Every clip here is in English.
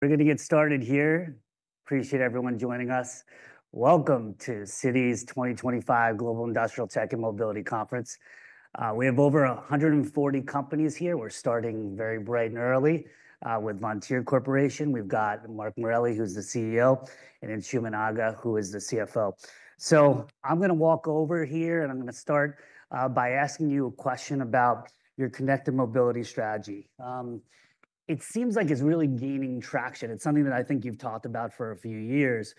We're going to get started here. Appreciate everyone joining us. Welcome to Citi's 2025 Global Industrial Tech and Mobility Conference. We have over 140 companies here. We're starting very bright and early with Vontier Corporation. We've got Mark Morelli, who's the CEO, and Anshuman Aga, who is the CFO. So I'm going to walk over here, and I'm going to start by asking you a question about your connected mobility strategy. It seems like it's really gaining traction. It's something that I think you've talked about for a few years.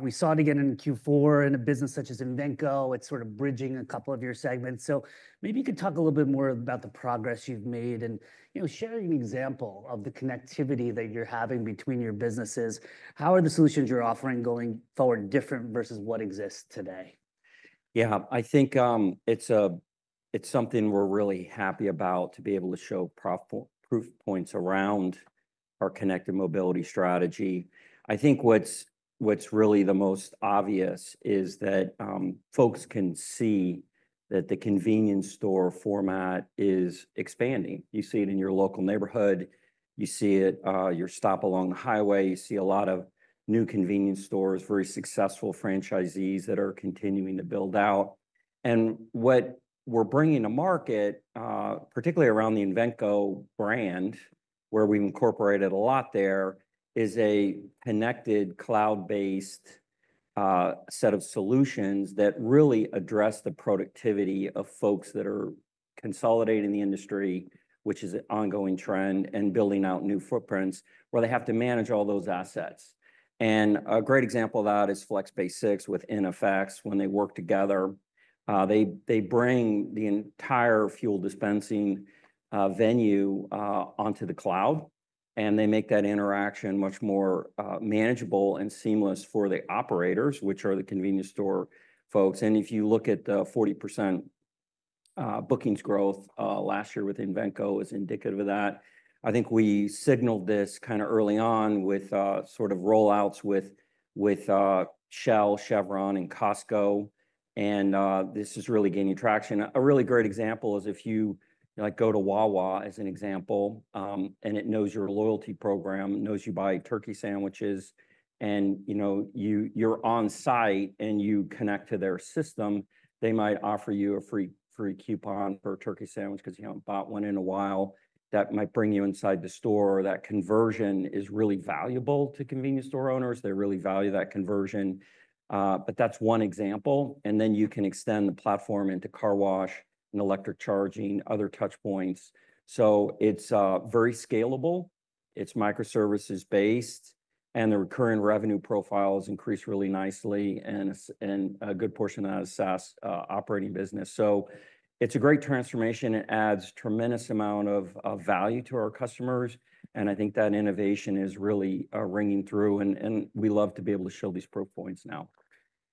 We saw it again in Q4 in a business such as Invenco. It's sort of bridging a couple of your segments. So maybe you could talk a little bit more about the progress you've made and, you know, share an example of the connectivity that you're having between your businesses. How are the solutions you're offering going forward different versus what exists today? Yeah, I think it's something we're really happy about to be able to show proof points around our connected mobility strategy. I think what's really the most obvious is that folks can see that the convenience store format is expanding. You see it in your local neighborhood. You see it at your stop along the highway. You see a lot of new convenience stores, very successful franchisees that are continuing to build out. And what we're bringing to market, particularly around the Invenco brand, where we've incorporated a lot there, is a connected cloud-based set of solutions that really address the productivity of folks that are consolidating the industry, which is an ongoing trend, and building out new footprints where they have to manage all those assets. And a great example of that is FlexPay 6 with iNFX. When they work together, they bring the entire fuel dispensing venue onto the cloud, and they make that interaction much more manageable and seamless for the operators, which are the convenience store folks. And if you look at the 40% bookings growth last year with Invenco as indicative of that, I think we signaled this kind of early on with sort of rollouts with Shell, Chevron, and Costco. And this is really gaining traction. A really great example is if you go to Wawa as an example, and it knows your loyalty program, knows you buy turkey sandwiches, and you're on site and you connect to their system, they might offer you a free coupon for a turkey sandwich because you haven't bought one in a while. That might bring you inside the store. That conversion is really valuable to convenience store owners. They really value that conversion. But that's one example. And then you can extend the platform into car wash and electric charging, other touch points. So it's very scalable. It's microservices based, and the recurring revenue profiles increase really nicely, and a good portion of that is SaaS operating business. So it's a great transformation. It adds a tremendous amount of value to our customers. And I think that innovation is really ringing through, and we love to be able to show these proof points now.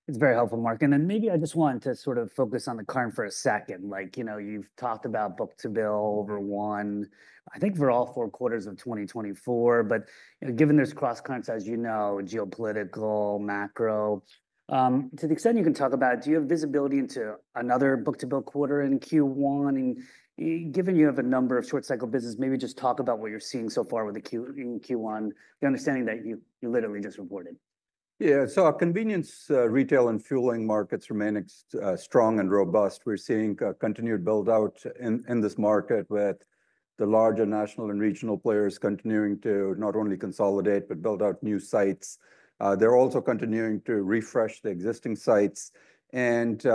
It's very helpful, Mark. And then maybe I just want to sort of focus on the current for a second. Like, you know, you've talked about book-to-bill over one, I think for all four quarters of 2024. But given there's cross-currents, as you know, geopolitical, macro, to the extent you can talk about, do you have visibility into another book-to-bill quarter in Q1? And given you have a number of short-cycle businesses, maybe just talk about what you're seeing so far with the Q1, the understanding that you literally just reported. Yeah. So our convenience retail and fueling markets remain strong and robust. We're seeing a continued build-out in this market with the larger national and regional players continuing to not only consolidate but build out new sites. They're also continuing to refresh the existing sites. And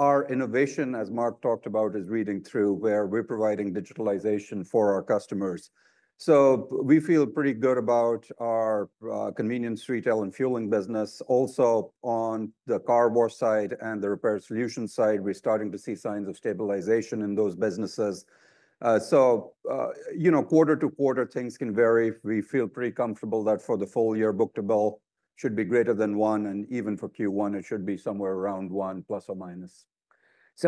our innovation, as Mark talked about, is reading through where we're providing digitalization for our customers. So we feel pretty good about our convenience retail and fueling business. Also, on the car wash side and the repair solution side, we're starting to see signs of stabilization in those businesses. So, you know, quarter to quarter, things can vary. We feel pretty comfortable that for the full year, book-to-bill should be greater than one. And even for Q1, it should be somewhere around one plus or minus.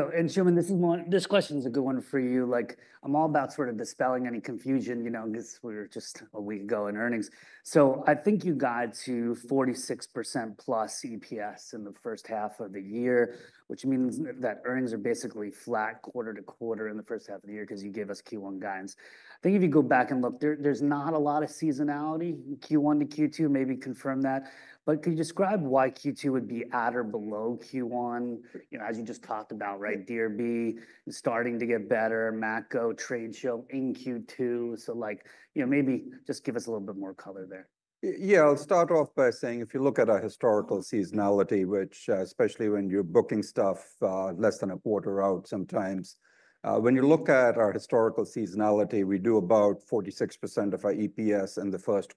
Anshuman, this question is a good one for you. Like, I'm all about sort of dispelling any confusion, you know, because we were just a week ago in earnings. So I think you got to 46% plus EPS in the first half of the year, which means that earnings are basically flat quarter to quarter in the first half of the year because you gave us Q1 guidance. I think if you go back and look, there's not a lot of seasonality in Q1 to Q2. Maybe confirm that. But can you describe why Q2 would be at or below Q1? You know, as you just talked about, right, DRB starting to get better, Matco trade show in Q2. So, like, you know, maybe just give us a little bit more color there. Yeah, I'll start off by saying if you look at our historical seasonality, which especially when you're booking stuff less than a quarter out sometimes, when you look at our historical seasonality, we do about 46% of our EPS in the Q1.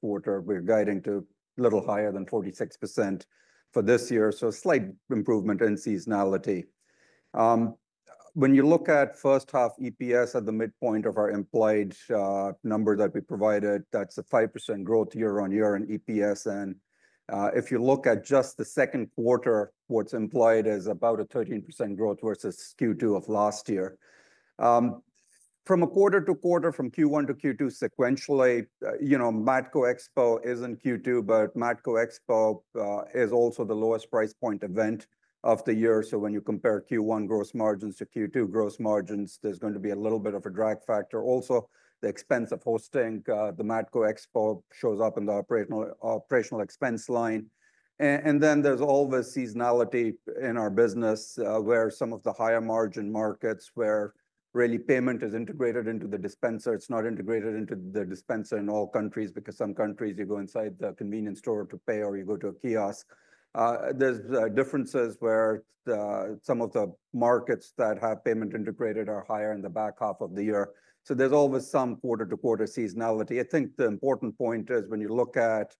We're guiding to a little higher than 46% for this year. So a slight improvement in seasonality. When you look at first half EPS at the midpoint of our implied number that we provided, that's a 5% growth year on year in EPS. And if you look at just the Q2, what's implied is about a 13% growth versus Q2 of last year. From a quarter to quarter, from Q1 to Q2 sequentially, you know, Matco Expo is in Q2, but Matco Expo is also the lowest price point event of the year. So when you compare Q1 gross margins to Q2 gross margins, there's going to be a little bit of a drag factor. Also, the expense of hosting the Matco Expo shows up in the operational expense line. And then there's always seasonality in our business where some of the higher margin markets where really payment is integrated into the dispenser. It's not integrated into the dispenser in all countries because some countries you go inside the convenience store to pay or you go to a kiosk. There's differences where some of the markets that have payment integrated are higher in the back half of the year. So there's always some quarter to quarter seasonality. I think the important point is when you look at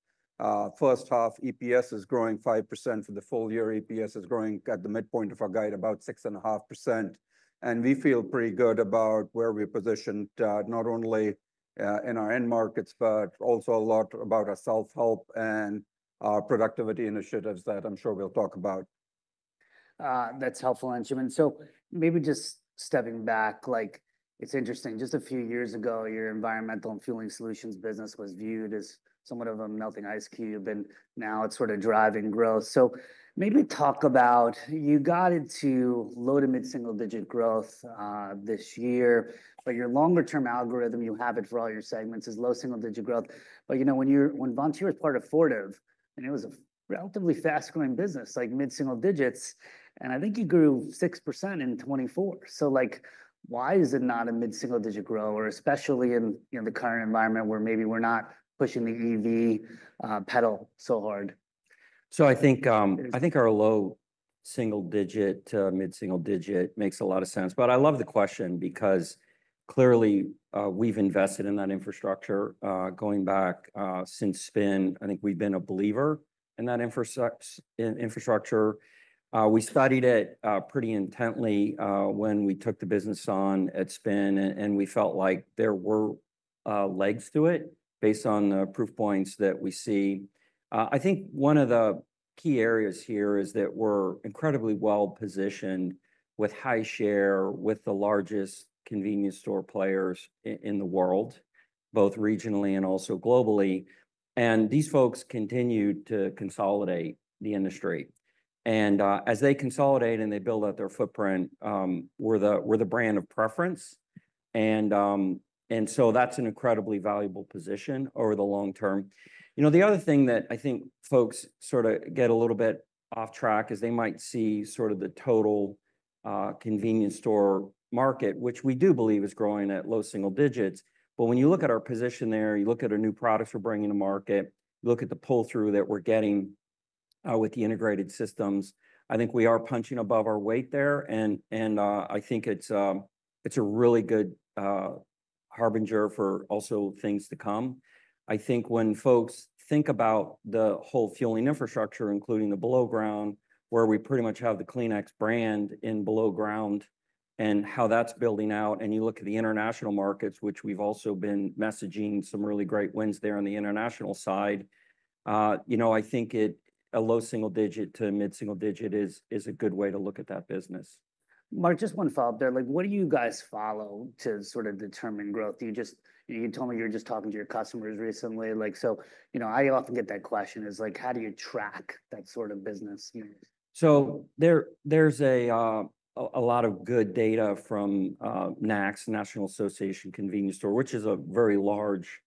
first half EPS is growing 5% for the full year. EPS is growing at the midpoint of our guide about 6.5%. We feel pretty good about where we're positioned, not only in our end markets, but also a lot about our self-help and our productivity initiatives that I'm sure we'll talk about. That's helpful, Anshuman. So maybe just stepping back, like, it's interesting. Just a few years ago, your Environmental & Fueling Solutions business was viewed as somewhat of a melting ice cube. And now it's sort of driving growth. So maybe talk about you got into low to mid single-digit growth this year, but your longer-term algorithm, you have it for all your segments is low single-digit growth. But, you know, when Vontier was part of Fortive, and it was a relatively fast-growing business, like mid single digits, and I think you grew 6% in 2024. So, like, why is it not a mid single-digit grower, especially in the current environment where maybe we're not pushing the EV pedal so hard? So I think our low single digit to mid single digit makes a lot of sense. But I love the question because clearly we've invested in that infrastructure going back since SPIN. I think we've been a believer in that infrastructure. We studied it pretty intently when we took the business on at SPIN, and we felt like there were legs to it based on the proof points that we see. I think one of the key areas here is that we're incredibly well positioned with high share with the largest convenience store players in the world, both regionally and also globally. And these folks continue to consolidate the industry. And as they consolidate and they build out their footprint, we're the brand of preference. And so that's an incredibly valuable position over the long term. You know, the other thing that I think folks sort of get a little bit off track is they might see sort of the total convenience store market, which we do believe is growing at low single digits. But when you look at our position there, you look at our new products we're bringing to market, you look at the pull-through that we're getting with the integrated systems, I think we are punching above our weight there. And I think it's a really good harbinger for also things to come. I think when folks think about the whole fueling infrastructure, including the below ground, where we pretty much have the Kleenex brand in below ground and how that's building out, and you look at the international markets, which we've also been messaging some really great wins there on the international side, you know, I think a low single digit to mid single digit is a good way to look at that business. Mark, just one follow-up there. Like, what do you guys follow to sort of determine growth? You told me you're just talking to your customers recently. Like, so, you know, I often get that question is like, how do you track that sort of business? There's a lot of good data from NACS, National Association of Convenience Stores, which is a very large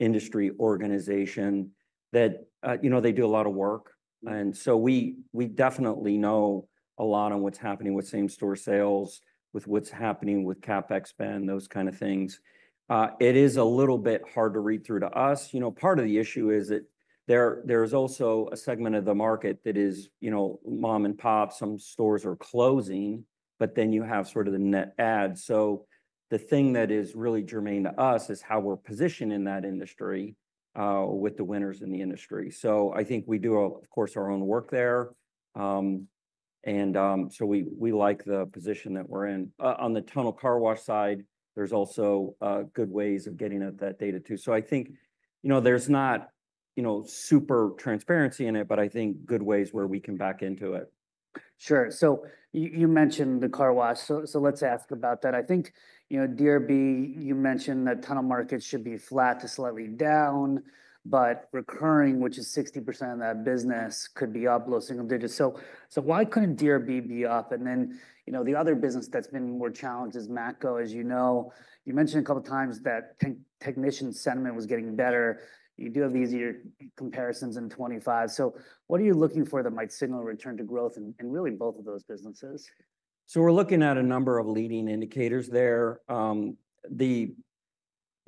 industry organization that, you know, they do a lot of work. And so we definitely know a lot on what's happening with same-store sales, with what's happening with CapEx spend, those kind of things. It is a little bit hard to read through to us. You know, part of the issue is that there is also a segment of the market that is, you know, mom and pop. Some stores are closing, but then you have sort of the net adds. The thing that is really germane to us is how we're positioned in that industry with the winners in the industry. I think we do, of course, our own work there. And so we like the position that we're in. On the tunnel car wash side, there's also good ways of getting at that data too. So I think, you know, there's not, you know, super transparency in it, but I think good ways where we can back into it. Sure. So you mentioned the car wash. So let's ask about that. I think, you know, DRB, you mentioned that tunnel markets should be flat to slightly down, but recurring, which is 60% of that business, could be up, low single digits. So why couldn't DRB be up? And then, you know, the other business that's been more challenged is Matco, as you know. You mentioned a couple of times that technician sentiment was getting better. You do have these comparisons in 2025. So what are you looking for that might signal a return to growth in really both of those businesses? We're looking at a number of leading indicators there.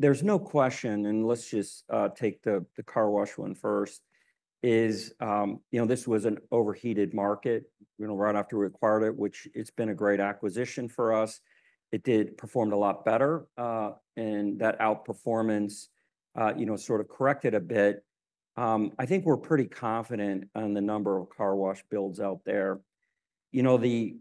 There's no question, and let's just take the car wash one first, you know, this was an overheated market, you know, right after we acquired it, which it's been a great acquisition for us. It performed a lot better. And that outperformance, you know, sort of corrected a bit. I think we're pretty confident on the number of car wash builds out there. You know, the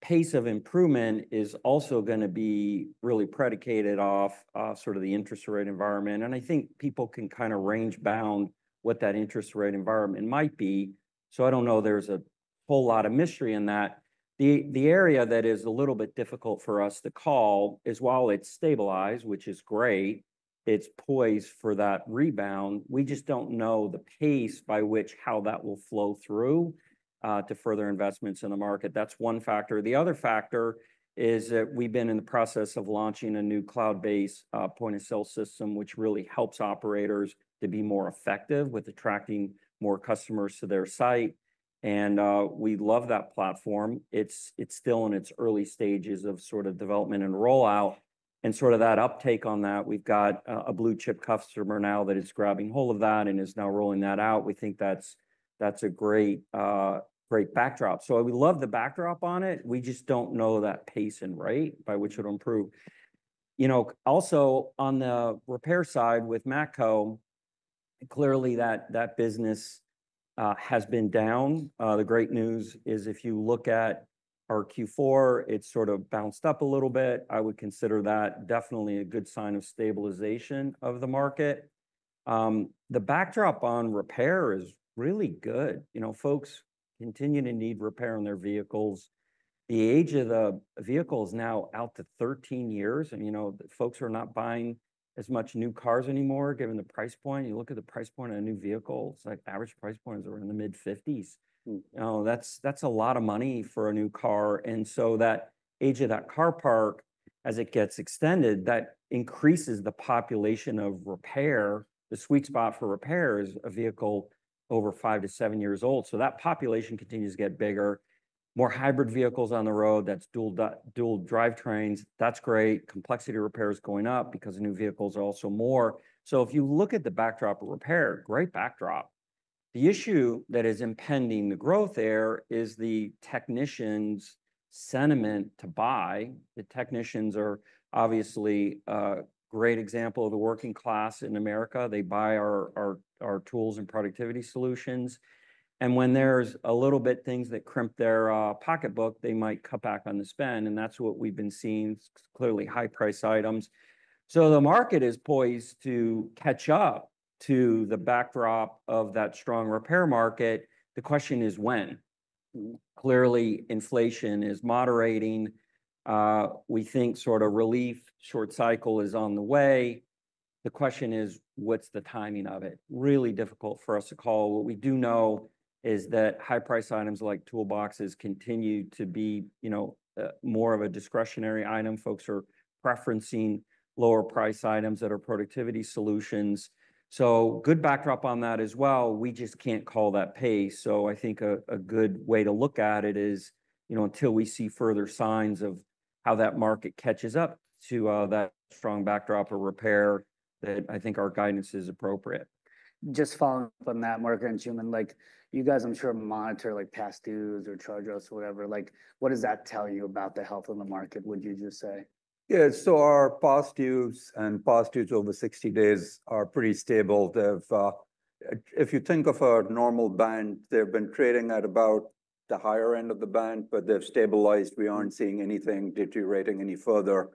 pace of improvement is also going to be really predicated off sort of the interest rate environment. And I think people can kind of range bound what that interest rate environment might be. So I don't know there's a whole lot of mystery in that. The area that is a little bit difficult for us to call is, while it's stabilized, which is great, it's poised for that rebound. We just don't know the pace by which how that will flow through to further investments in the market. That's one factor. The other factor is that we've been in the process of launching a new cloud-based point of sale system, which really helps operators to be more effective with attracting more customers to their site. And we love that platform. It's still in its early stages of sort of development and rollout. And sort of that uptake on that, we've got a blue-chip customer now that is grabbing hold of that and is now rolling that out. We think that's a great backdrop. So we love the backdrop on it. We just don't know that pace and rate by which it'll improve. You know, also on the repair side with Matco, clearly that business has been down. The great news is if you look at our Q4, it's sort of bounced up a little bit. I would consider that definitely a good sign of stabilization of the market. The backdrop on repair is really good. You know, folks continue to need repair on their vehicles. The age of the vehicle is now out to 13 years, and you know, folks are not buying as much new cars anymore given the price point. You look at the price point on a new vehicle, it's like average price point is around the mid-50s. You know, that's a lot of money for a new car, and so that age of that car park, as it gets extended, that increases the population of repair. The sweet spot for repair is a vehicle over five to seven years old, so that population continues to get bigger. More hybrid vehicles on the road, that's dual drive trains. That's great. Complexity of repairs going up because new vehicles are also more. So if you look at the backdrop of repair, great backdrop. The issue that is impending the growth there is the technicians' sentiment to buy. The technicians are obviously a great example of the working class in America. They buy our tools and productivity solutions. And when there's a little bit of things that crimp their pocketbook, they might cut back on the spend. And that's what we've been seeing, clearly high-priced items. So the market is poised to catch up to the backdrop of that strong repair market. The question is when. Clearly, inflation is moderating. We think sort of relief short cycle is on the way. The question is, what's the timing of it? Really difficult for us to call. What we do know is that high-priced items like toolboxes continue to be, you know, more of a discretionary item. Folks are preferencing lower-priced items that are productivity solutions. So good backdrop on that as well. We just can't call that pace. So I think a good way to look at it is, you know, until we see further signs of how that market catches up to that strong backdrop of repair, that I think our guidance is appropriate. Just following up on that, Mark and Anshuman, like you guys, I'm sure monitor like past dues or charge us or whatever. Like, what does that tell you about the health of the market, would you just say? Yeah, so our past dues and past dues over 60 days are pretty stable. If you think of a normal band, they've been trading at about the higher end of the band, but they've stabilized. We aren't seeing anything deteriorating any further.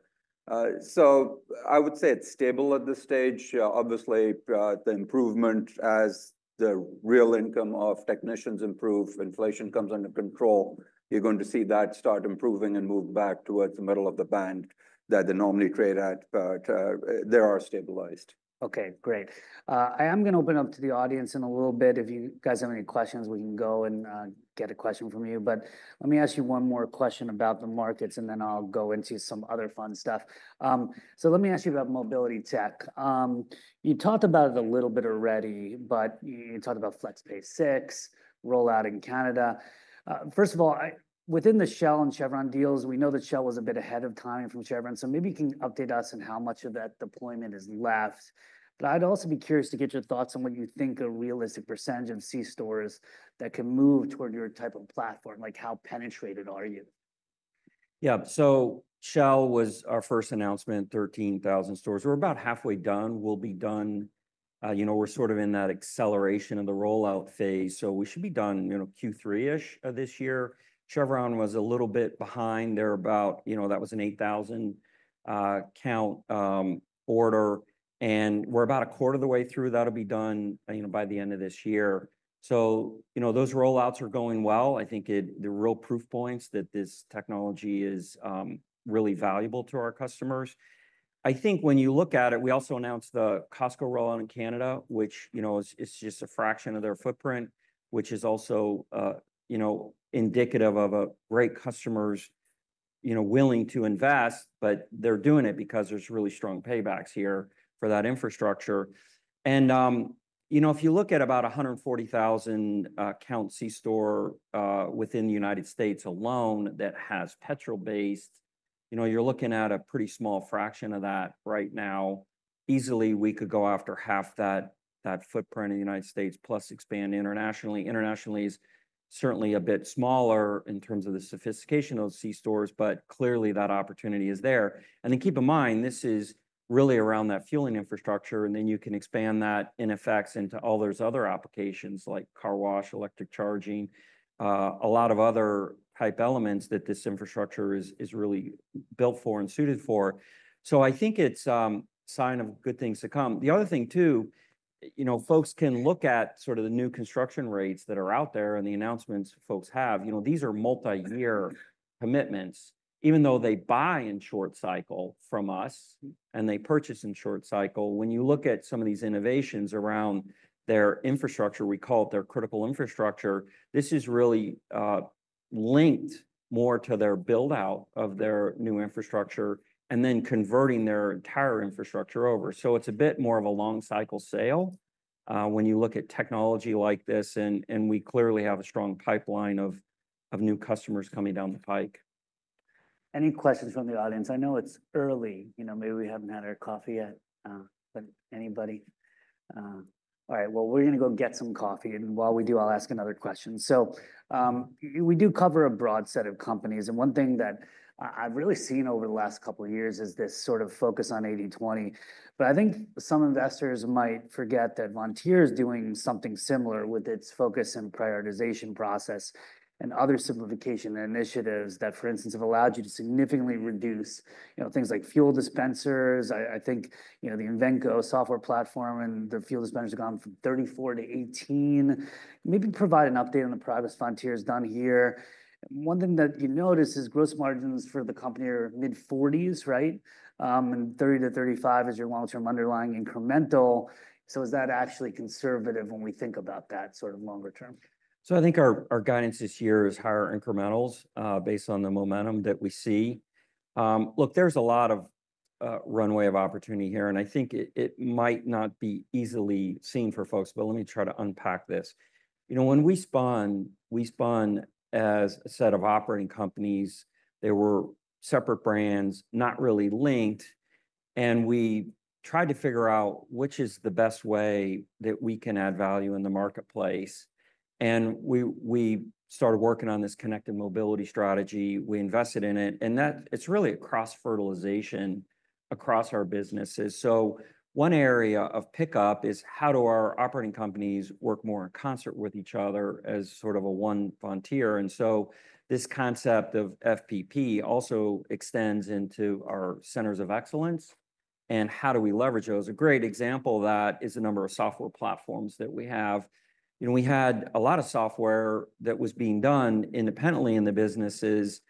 So I would say it's stable at this stage. Obviously, the improvement as the real income of technicians improves, inflation comes under control, you're going to see that start improving and move back towards the middle of the band that they normally trade at, but they are stabilized. Okay, great. I am going to open up to the audience in a little bit. If you guys have any questions, we can go and get a question from you. But let me ask you one more question about the markets, and then I'll go into some other fun stuff. So let me ask you about mobility tech. You talked about it a little bit already, but you talked about FlexPay 6, rollout in Canada. First of all, within the Shell and Chevron deals, we know that Shell was a bit ahead of time from Chevron. So maybe you can update us on how much of that deployment is left. But I'd also be curious to get your thoughts on what you think a realistic percentage of C stores that can move toward your type of platform, like how penetrated are you? Yeah, so Shell was our first announcement, 13,000 stores. We're about halfway done. We'll be done. You know, we're sort of in that acceleration of the rollout phase. So we should be done, you know, Q3-ish this year. Chevron was a little bit behind there about, you know, that was an 8,000 count order. And we're about a quarter of the way through. That'll be done, you know, by the end of this year. So, you know, those rollouts are going well. I think they're real proof points that this technology is really valuable to our customers. I think when you look at it, we also announced the Costco rollout in Canada, which, you know, is just a fraction of their footprint, which is also, you know, indicative of a great customer's, you know, willing to invest, but they're doing it because there's really strong paybacks here for that infrastructure. And, you know, if you look at about 140,000 count C-store within the United States alone that has petrol-based, you know, you're looking at a pretty small fraction of that right now. Easily, we could go after half that footprint in the United States, plus expand internationally. Internationally is certainly a bit smaller in terms of the sophistication of those C-stores, but clearly that opportunity is there. And then keep in mind, this is really around that fueling infrastructure. And then you can expand that in effect into all those other applications like car wash, electric charging, a lot of other type elements that this infrastructure is really built for and suited for. So I think it's a sign of good things to come. The other thing too, you know, folks can look at sort of the new construction rates that are out there and the announcements folks have. You know, these are multi-year commitments, even though they buy in short cycle from us and they purchase in short cycle. When you look at some of these innovations around their infrastructure, we call it their critical infrastructure. This is really linked more to their buildout of their new infrastructure and then converting their entire infrastructure over. So it's a bit more of a long cycle sale when you look at technology like this. And we clearly have a strong pipeline of new customers coming down the pike. Any questions from the audience? I know it's early. You know, maybe we haven't had our coffee yet. But anybody? All right, well, we're going to go get some coffee. And while we do, I'll ask another question. So we do cover a broad set of companies. And one thing that I've really seen over the last couple of years is this sort of focus on 80/20. But I think some investors might forget that Vontier is doing something similar with its focus and prioritization process and other simplification initiatives that, for instance, have allowed you to significantly reduce, you know, things like fuel dispensers. I think, you know, the Invenco software platform and the fuel dispensers have gone from 34 to 18. Maybe provide an update on the progress Vontier has done here. One thing that you notice is gross margins for the company are mid-40s%, right? And 30-35 is your long-term underlying incremental. So is that actually conservative when we think about that sort of longer term? So I think our guidance this year is higher incrementals based on the momentum that we see. Look, there's a lot of runway of opportunity here. And I think it might not be easily seen for folks, but let me try to unpack this. You know, when we spun, we spun as a set of operating companies. They were separate brands, not really linked. And we tried to figure out which is the best way that we can add value in the marketplace. And we started working on this connected mobility strategy. We invested in it. And that's really a cross-fertilization across our businesses. So one area of pickup is how do our operating companies work more in concert with each other as sort of a one Vontier. And so this concept of FPP also extends into our centers of excellence. And how do we leverage those? A great example of that is the number of software platforms that we have. You know, we had a lot of software that was being done independently in the businesses.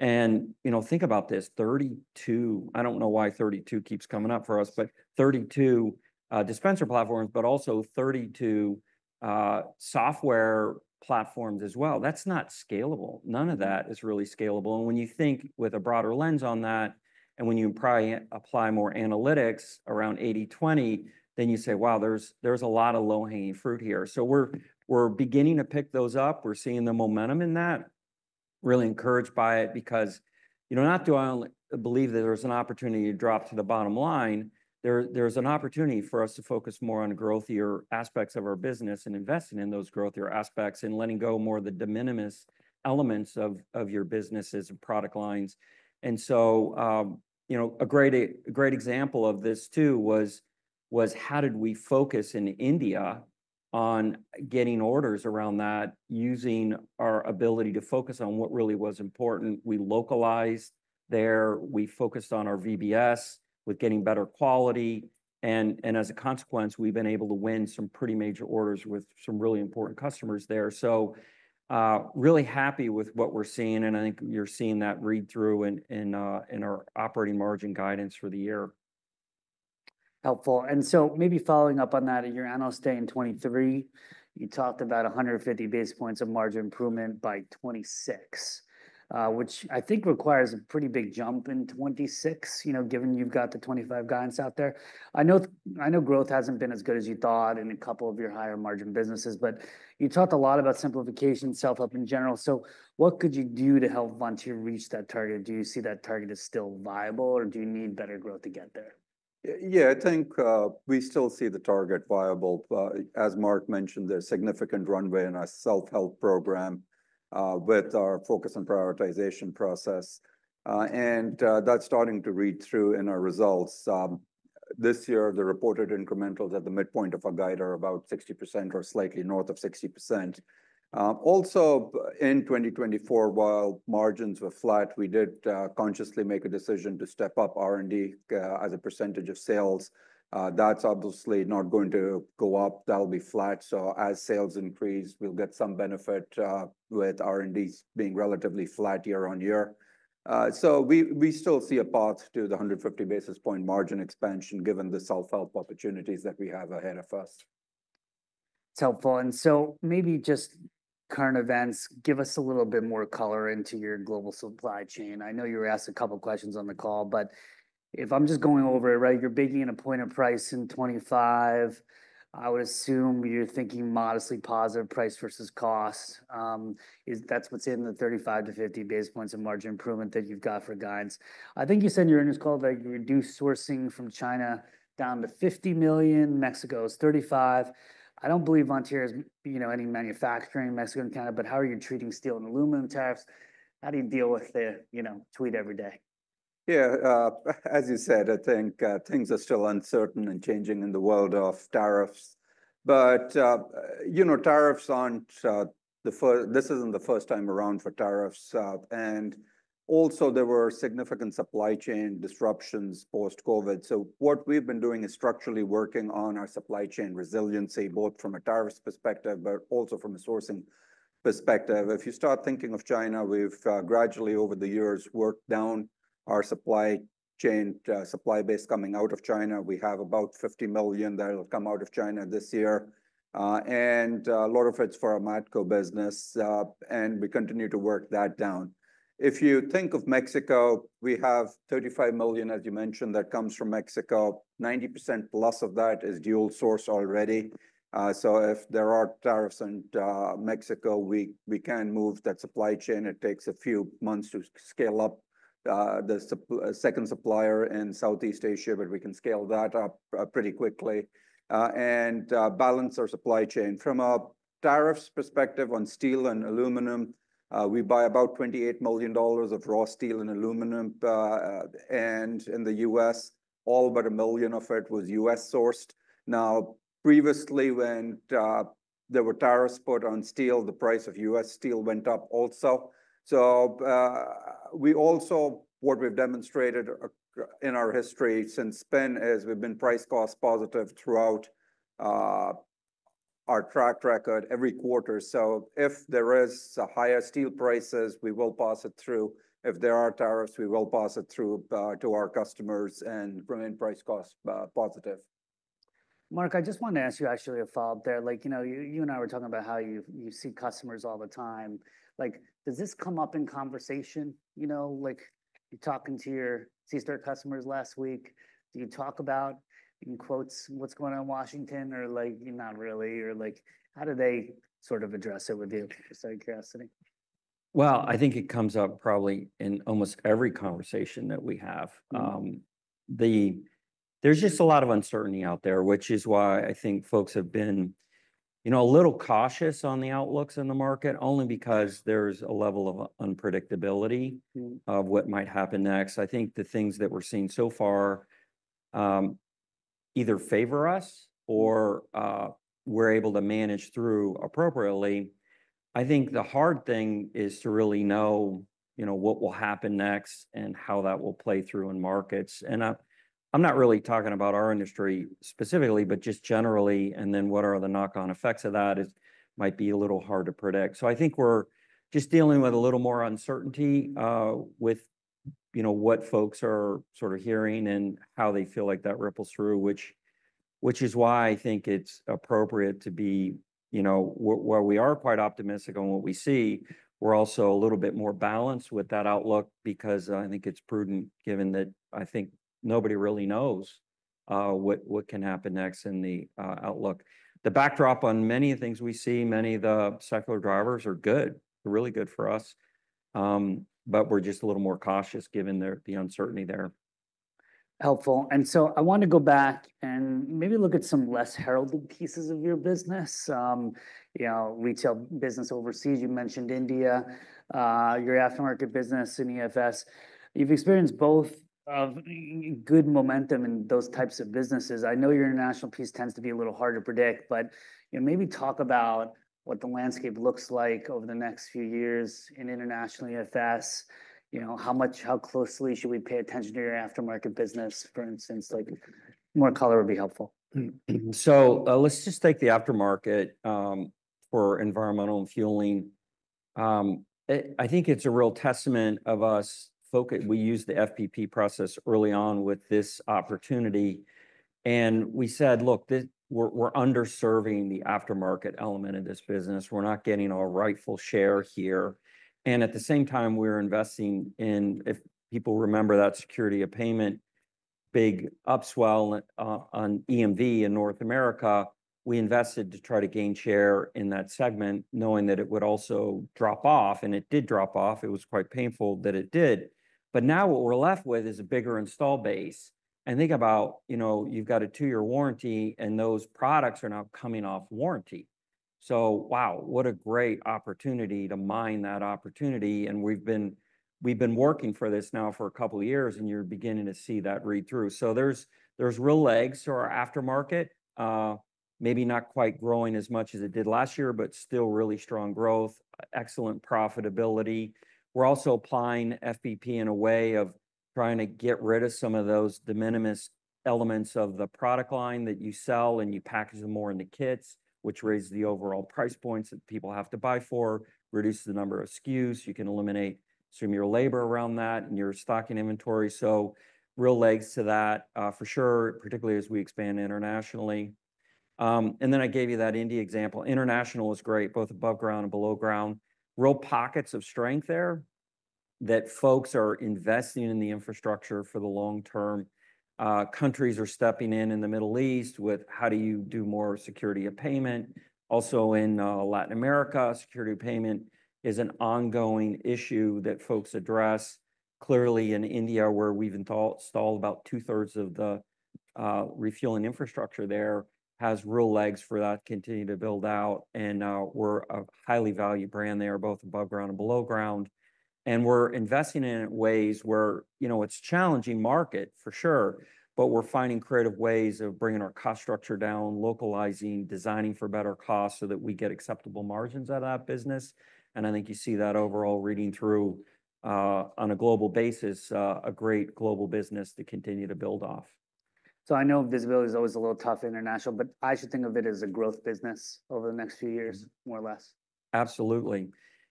And, you know, think about this, 32, I don't know why 32 keeps coming up for us, but 32 dispenser platforms, but also 32 software platforms as well. That's not scalable. None of that is really scalable. And when you think with a broader lens on that, and when you probably apply more analytics around 80/20, then you say, wow, there's a lot of low-hanging fruit here. So we're beginning to pick those up. We're seeing the momentum in that. Really encouraged by it because, you know, not to believe that there's an opportunity to drop to the bottom line. There's an opportunity for us to focus more on growthier aspects of our business and investing in those growthier aspects and letting go more of the de minimis elements of your businesses and product lines, and so, you know, a great example of this too was how did we focus in India on getting orders around that using our ability to focus on what really was important. We localized there. We focused on our VBS with getting better quality, and as a consequence, we've been able to win some pretty major orders with some really important customers there, so really happy with what we're seeing, and I think you're seeing that read through in our operating margin guidance for the year. Helpful. And so maybe following up on that, at your annual Strategy Day in 2023, you talked about 150 basis points of margin improvement by 2026, which I think requires a pretty big jump in 2026, you know, given you've got the 2025 guidance out there. I know growth hasn't been as good as you thought in a couple of your higher margin businesses, but you talked a lot about simplification, self-help in general. So what could you do to help Vontier reach that target? Do you see that target is still viable or do you need better growth to get there? Yeah, I think we still see the target viable. As Mark mentioned, there's significant runway in our self-help program with our focus and prioritization process. And that's starting to read through in our results. This year, the reported incrementals at the midpoint of our guide are about 60% or slightly north of 60%. Also, in 2024, while margins were flat, we did consciously make a decision to step up R&D as a percentage of sales. That's obviously not going to go up. That'll be flat. So as sales increase, we'll get some benefit with R&D being relatively flat year on year. So we still see a path to the 150 basis points margin expansion given the self-help opportunities that we have ahead of us. It's helpful. And so maybe just current events, give us a little bit more color into your global supply chain. I know you were asked a couple of questions on the call, but if I'm just going over it, right, you're baking in a point of price in 2025. I would assume you're thinking modestly positive price versus cost. That's what's in the 35 to 50 basis points of margin improvement that you've got for guidance. I think you said in your earnings call that you reduced sourcing from China down to $50 million. Mexico is $35 million. I don't believe Vontier is, you know, any manufacturing in Mexico and Canada, but how are you treating steel and aluminum tariffs? How do you deal with the, you know, tweet every day? Yeah, as you said, I think things are still uncertain and changing in the world of tariffs. But, you know, tariffs aren't the first; this isn't the first time around for tariffs. And also, there were significant supply chain disruptions post-COVID. So what we've been doing is structurally working on our supply chain resiliency, both from a tariffs perspective, but also from a sourcing perspective. If you start thinking of China, we've gradually over the years worked down our supply chain, supply base coming out of China. We have about $50 million that will come out of China this year. And a lot of it's for our medical business. And we continue to work that down. If you think of Mexico, we have $35 million, as you mentioned, that comes from Mexico. 90% plus of that is dual source already. So if there are tariffs in Mexico, we can move that supply chain. It takes a few months to scale up the second supplier in Southeast Asia, but we can scale that up pretty quickly and balance our supply chain. From a tariffs perspective on steel and aluminum, we buy about $28 million of raw steel and aluminum. And in the U.S., all but $1 million of it was U.S. sourced. Now, previously, when there were tariffs put on steel, the price of U.S. steel went up also. So we also, what we've demonstrated in our history since then is we've been price cost positive throughout our track record every quarter. So if there is a higher steel prices, we will pass it through. If there are tariffs, we will pass it through to our customers and remain price cost positive. Mark, I just wanted to ask you actually a follow-up there. Like, you know, you and I were talking about how you see customers all the time. Like, does this come up in conversation? You know, like you're talking to your C-store customers last week, do you talk about in quotes what's going on in Washington or like, not really? Or like, how do they sort of address it with you? Just out of curiosity. I think it comes up probably in almost every conversation that we have. There's just a lot of uncertainty out there, which is why I think folks have been, you know, a little cautious on the outlooks in the market only because there's a level of unpredictability of what might happen next. I think the things that we're seeing so far either favor us or we're able to manage through appropriately. I think the hard thing is to really know, you know, what will happen next and how that will play through in markets. I'm not really talking about our industry specifically, but just generally. What are the knock-on effects of that is might be a little hard to predict. So I think we're just dealing with a little more uncertainty with, you know, what folks are sort of hearing and how they feel like that ripples through, which is why I think it's appropriate to be, you know, where we are quite optimistic on what we see. We're also a little bit more balanced with that outlook because I think it's prudent given that I think nobody really knows what can happen next in the outlook. The backdrop on many of the things we see, many of the secular drivers are good. They're really good for us. But we're just a little more cautious given the uncertainty there. Helpful. And so I want to go back and maybe look at some less heralded pieces of your business. You know, retail business overseas, you mentioned India, your aftermarket business in EFS. You've experienced both of good momentum in those types of businesses. I know your international piece tends to be a little hard to predict, but you know, maybe talk about what the landscape looks like over the next few years in international EFS. You know, how much, how closely should we pay attention to your aftermarket business, for instance? Like, more color would be helpful. So let's just take the aftermarket for environmental and fueling. I think it's a real testament to our focus. We used the FPP process early on with this opportunity. And we said, look, we're underserving the aftermarket element of this business. We're not getting our rightful share here. And at the same time, we're investing in, if people remember that security of payment, big upswell on EMV in North America. We invested to try to gain share in that segment, knowing that it would also drop off. And it did drop off. It was quite painful that it did. But now what we're left with is a bigger installed base. And think about, you know, you've got a two-year warranty and those products are now coming off warranty. So wow, what a great opportunity to mine that opportunity. And we've been working for this now for a couple of years and you're beginning to see that read through. So there's real legs to our aftermarket. Maybe not quite growing as much as it did last year, but still really strong growth, excellent profitability. We're also applying FPP in a way of trying to get rid of some of those de minimis elements of the product line that you sell and you package them more in the kits, which raises the overall price points that people have to buy for, reduces the number of SKUs. You can eliminate some of your labor around that and your stock and inventory. So real legs to that for sure, particularly as we expand internationally. And then I gave you that India example. International is great, both above ground and below ground. Real pockets of strength there that folks are investing in the infrastructure for the long term. Countries are stepping in in the Middle East with how do you do more security of payment. Also in Latin America, security of payment is an ongoing issue that folks address. Clearly in India, where we've installed about two-thirds of the refueling infrastructure there, has real legs for that continue to build out, and we're a highly valued brand there, both above ground and below ground. And we're investing in ways where, you know, it's a challenging market for sure, but we're finding creative ways of bringing our cost structure down, localizing, designing for better costs so that we get acceptable margins out of that business, and I think you see that overall reading through on a global basis, a great global business to continue to build off. So I know visibility is always a little tough international, but I should think of it as a growth business over the next few years, more or less. Absolutely.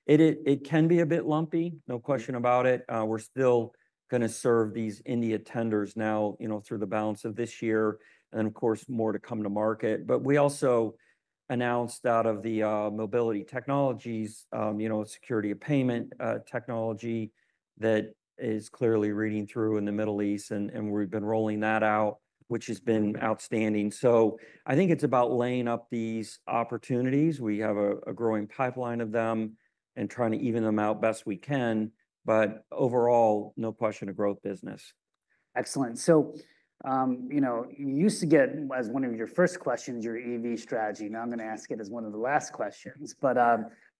It can be a bit lumpy, no question about it. We're still going to serve these India tenders now, you know, through the balance of this year. And of course, more to come to market. But we also announced out of the Mobility Technologies, you know, security of payment technology that is clearly reading through in the Middle East. And we've been rolling that out, which has been outstanding. So I think it's about lining up these opportunities. We have a growing pipeline of them and trying to even them out best we can. But overall, no question of growth business. Excellent. So, you know, you used to get as one of your first questions, your EV strategy. Now I'm going to ask it as one of the last questions. But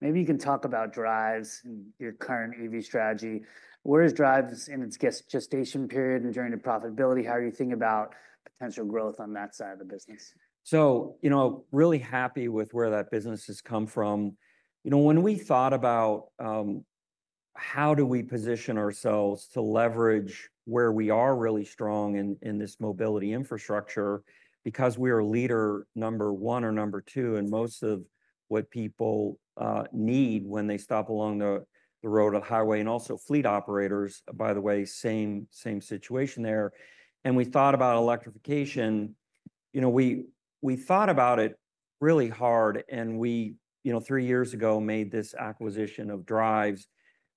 maybe you can talk about Driivz and your current EV strategy. Where is Driivz in its gestation period and during the profitability? How are you thinking about potential growth on that side of the business? So, you know, really happy with where that business has come from. You know, when we thought about how do we position ourselves to leverage where we are really strong in this mobility infrastructure because we are leader number one or number two in most of what people need when they stop along the road or highway. And also fleet operators, by the way, same situation there. And we thought about electrification. You know, we thought about it really hard. And we, you know, three years ago made this acquisition of Driivz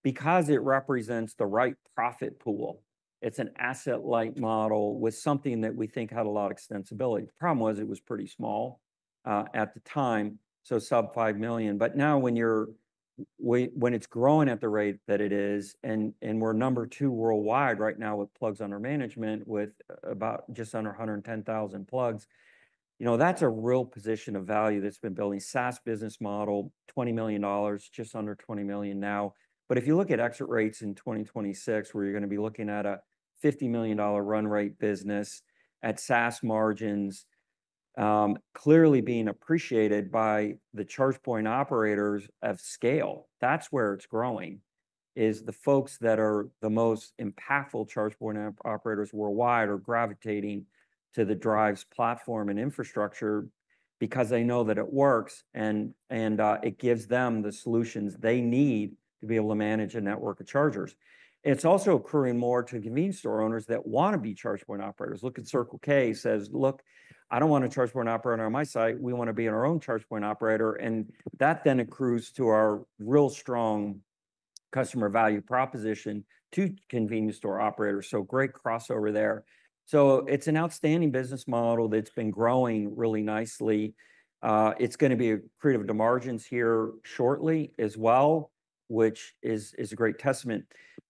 because it represents the right profit pool. It's an asset-light model with something that we think had a lot of extensibility. The problem was it was pretty small at the time, so sub $5 million. But now when it's growing at the rate that it is, and we're number two worldwide right now with plugs under management with about just under 110,000 plugs, you know, that's a real position of value that's been building SaaS business model, $20 million, just under $20 million now. But if you look at exit rates in 2026, where you're going to be looking at a $50 million run rate business at SaaS margins clearly being appreciated by the charge point operators of scale, that's where it's growing is the folks that are the most impactful charge point operators worldwide are gravitating to the Driivz platform and infrastructure because they know that it works and it gives them the solutions they need to be able to manage a network of chargers. It's also accruing more to convenience store owners that want to be charge point operators. Look at Circle K says, "Look, I don't want a charge point operator on my site. We want to be our own charge point operator." And that then accrues to our real strong customer value proposition to convenience store operators. So great crossover there. So it's an outstanding business model that's been growing really nicely. It's going to be accretive to margins here shortly as well, which is a great testament.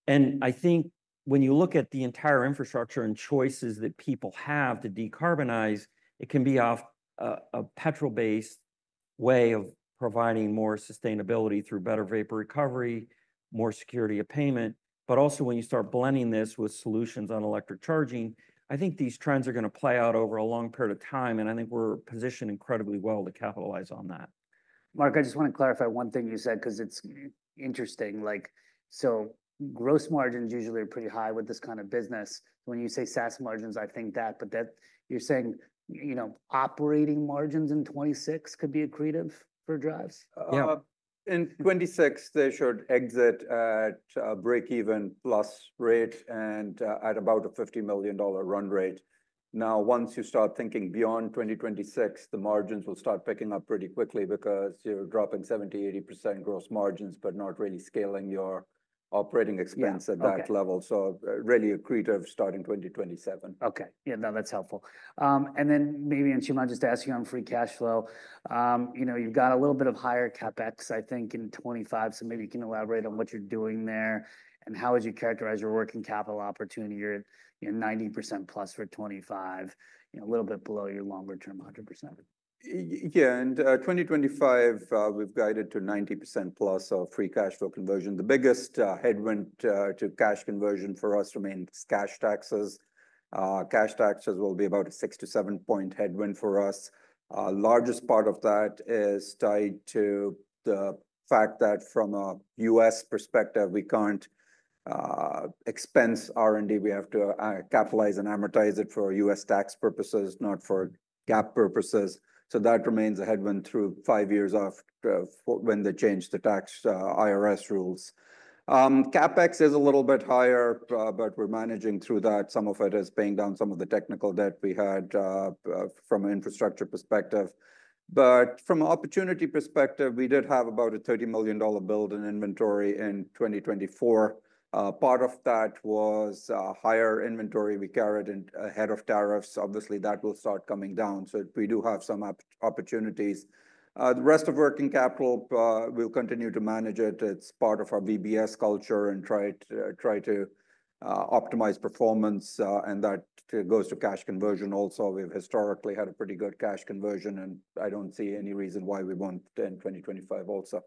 And I think when you look at the entire infrastructure and choices that people have to decarbonize, it can be a petrol-based way of providing more sustainability through better vapor recovery, more security of payment. But also when you start blending this with solutions on electric charging, I think these trends are going to play out over a long period of time. And I think we're positioned incredibly well to capitalize on that. Mark, I just want to clarify one thing you said because it's interesting. Like, so gross margins usually are pretty high with this kind of business. When you say SaaS margins, I think that, but that you're saying, you know, operating margins in 2026 could be accretive for Driivz? Yeah. In 2026, they should exit at a break-even plus rate and at about a $50 million run rate. Now, once you start thinking beyond 2026, the margins will start picking up pretty quickly because you're dropping 70% to 80% gross margins, but not really scaling your operating expense at that level. So really accretive starting 2027. Okay. Yeah, no, that's helpful. And then maybe Anshuman, I'll just ask you on free cash flow. You know, you've got a little bit of higher CapEx, I think in 2025. So maybe you can elaborate on what you're doing there and how would you characterize your working capital opportunity? You're 90% plus for 2025, you know, a little bit below your longer-term 100%. Yeah. And 2025, we've guided to 90% plus of free cash flow conversion. The biggest headwind to cash conversion for us remains cash taxes. Cash taxes will be about a six to seven point headwind for us. Largest part of that is tied to the fact that from a U.S. perspective, we can't expense R&D. We have to capitalize and amortize it for U.S. tax purposes, not for GAAP purposes. So that remains a headwind through five years after when they change the tax IRS rules. CapEx is a little bit higher, but we're managing through that. Some of it is paying down some of the technical debt we had from an infrastructure perspective. But from an opportunity perspective, we did have about a $30 million build in inventory in 2024. Part of that was higher inventory we carried in ahead of tariffs. Obviously, that will start coming down. So we do have some opportunities. The rest of working capital, we'll continue to manage it. It's part of our VBS culture and try to optimize performance. And that goes to cash conversion also. We've historically had a pretty good cash conversion, and I don't see any reason why we won't in 2025 also.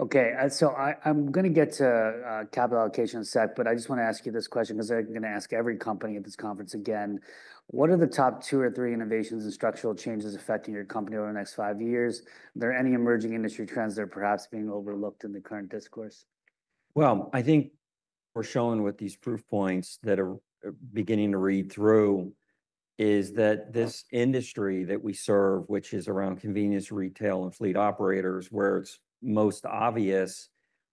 Okay. So I'm going to get to capital allocation yet, but I just want to ask you this question because I'm going to ask every company at this conference again. What are the top two or three innovations and structural changes affecting your company over the next five years? Are there any emerging industry trends that are perhaps being overlooked in the current discourse? I think we're showing with these proof points that are beginning to read through is that this industry that we serve, which is around convenience retail and fleet operators, where it's most obvious,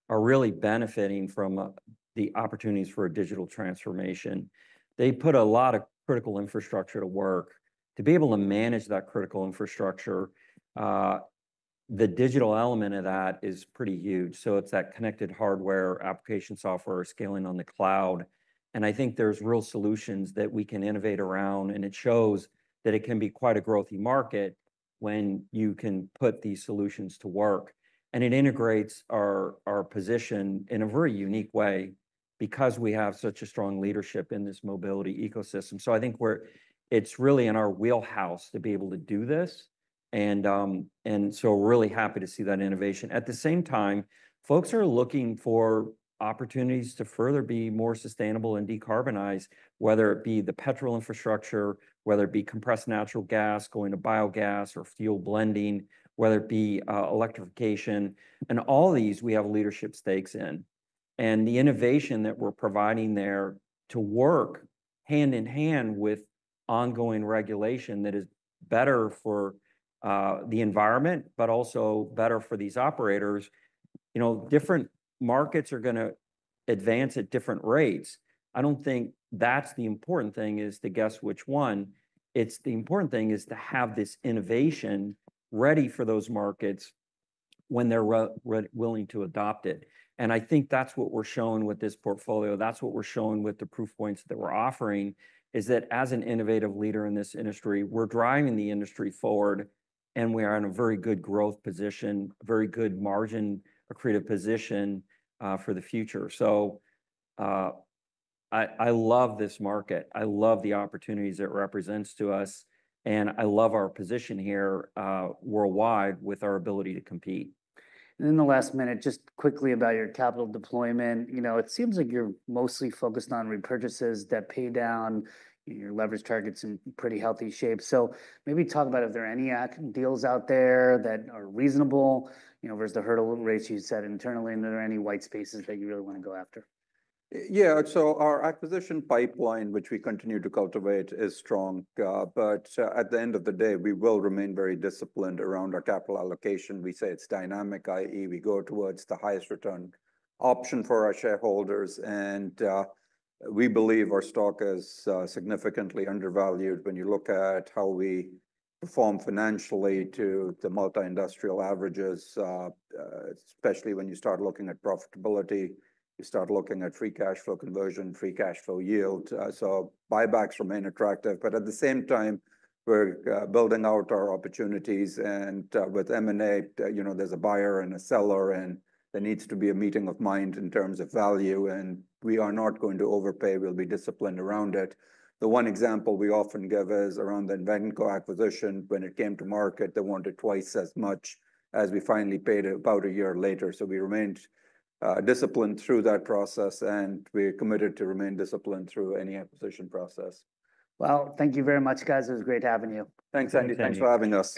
are really benefiting from the opportunities for a digital transformation. They put a lot of critical infrastructure to work. To be able to manage that critical infrastructure, the digital element of that is pretty huge. So it's that connected hardware, application software, scaling on the cloud. And I think there's real solutions that we can innovate around. And it shows that it can be quite a growthy market when you can put these solutions to work. And it integrates our position in a very unique way because we have such a strong leadership in this mobility ecosystem. So I think we're, it's really in our wheelhouse to be able to do this. And so really happy to see that innovation. At the same time, folks are looking for opportunities to further be more sustainable and decarbonize, whether it be the petrol infrastructure, whether it be compressed natural gas going to biogas or fuel blending, whether it be electrification. And all these we have leadership stakes in. And the innovation that we're providing there to work hand in hand with ongoing regulation that is better for the environment, but also better for these operators. You know, different markets are going to advance at different rates. I don't think that's the important thing is to guess which one. It's the important thing is to have this innovation ready for those markets when they're willing to adopt it. And I think that's what we're showing with this portfolio. That's what we're showing with the proof points that we're offering is that as an innovative leader in this industry, we're driving the industry forward and we are in a very good growth position, very good margin accretive position for the future, so I love this market. I love the opportunities that it represents to us, and I love our position here worldwide with our ability to compete. And in the last minute, just quickly about your capital deployment. You know, it seems like you're mostly focused on repurchases that pay down your leverage targets in pretty healthy shape. So maybe talk about if there are any deals out there that are reasonable, you know, versus the hurdle rates you said internally. And are there any white spaces that you really want to go after? Yeah. So our acquisition pipeline, which we continue to cultivate, is strong. But at the end of the day, we will remain very disciplined around our capital allocation. We say it's dynamic, i.e., we go towards the highest return option for our shareholders. And we believe our stock is significantly undervalued when you look at how we perform financially to the multi-industrial averages, especially when you start looking at profitability. You start looking at free cash flow conversion, free cash flow yield. So buybacks remain attractive. But at the same time, we're building out our opportunities. And with M&A, you know, there's a buyer and a seller, and there needs to be a meeting of mind in terms of value. And we are not going to overpay. We'll be disciplined around it. The one example we often give is around the Invenco acquisition. When it came to market, they wanted twice as much as we finally paid about a year later. So we remained disciplined through that process, and we're committed to remain disciplined through any acquisition process. Thank you very much, guys. It was great having you. Thanks, Andy. Thanks for having us.